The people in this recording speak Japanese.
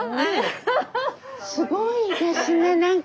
すごいですね何か。